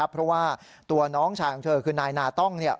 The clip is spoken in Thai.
เพราะว่าตัวน้องชายของเธอคือนายนาต้อง